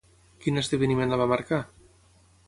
Quin esdeveniment la va marcar?